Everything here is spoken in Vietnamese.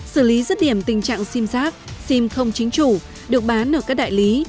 xử lý rứt điểm tình trạng sim giác sim không chính chủ được bán ở các đại lý